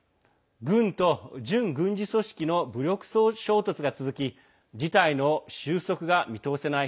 軍と準軍事組織の武力衝突が続き事態の収束が見通せない